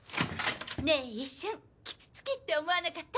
ねぇ一瞬キツツキって思わなかった？